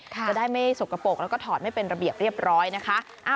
จะได้ไม่สกปรกแล้วก็ถอดไม่เป็นระเบียบเรียบร้อยนะคะ